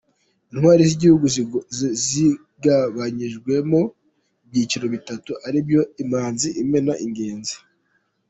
Intwari z’Igihugu zigabanyijwemo ibyiciro bitatu ari byo: Imanzi, Imena n’Ingenzi.